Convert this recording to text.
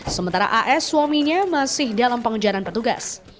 sementara as suaminya masih dalam pengejaran petugas